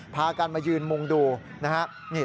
พากันมายืนมุงดูนะฮะ